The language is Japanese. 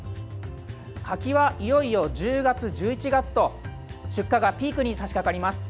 柿はいよいよ１０月、１１月と出荷がピークに差しかかります。